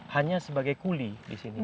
hanya sebagai kuli di sini